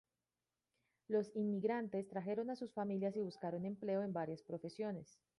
Los inmigrantes trajeron a sus familias y buscaron empleo en varias profesiones.